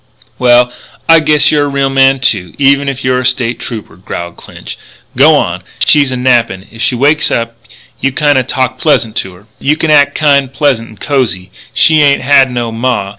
Well, I guess you're a real man, too, even if you're a State Trooper," growled Clinch. "G'wan up. She's a nappin'. If she wakes up you kinda talk pleasant to her. You act kind pleasant and cosy. She ain't had no ma.